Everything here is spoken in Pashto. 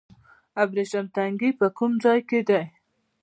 د ابریشم تنګی په کوم ځای کې دی؟